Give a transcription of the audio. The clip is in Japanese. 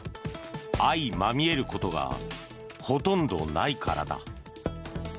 相まみえることがほとんどないからだ。